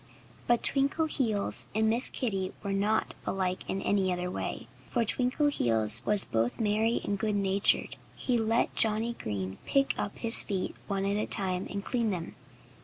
But Twinkleheels and Miss Kitty were not alike in any other way; for Twinkleheels was both merry and good natured. He let Johnnie Green pick up his feet, one at a time, and clean them.